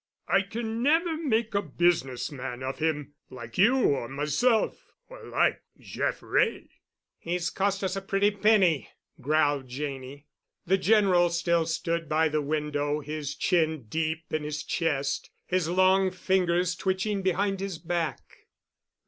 I can never make a business man of him—like you or myself—or like Jeff Wray." "He's cost us a pretty penny," growled Janney. The General still stood by the window, his chin deep in his chest, his long fingers twitching behind his back.